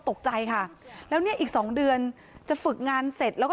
ตกใจค่ะแล้วเนี่ยอีกสองเดือนจะฝึกงานเสร็จแล้วก็